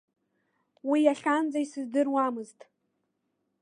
Уи иахьанӡа исыздыруамызт.